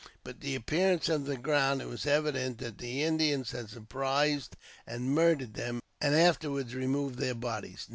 By the appearance of the ground, it was evident that the Indians had surprised and murdered them, and afterward removed their bodies.